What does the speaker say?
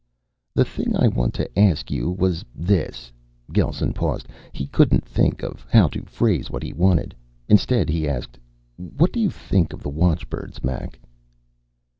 "The thing I wanted to ask you was this " Gelsen paused. He couldn't think how to phrase what he wanted. Instead he asked, "What do you think of the watchbirds, Mac?"